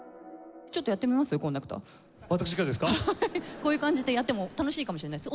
こういう感じでやっても楽しいかもしれないです。